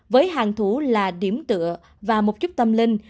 với hàng thủ là điểm tựa và một chút tâm linh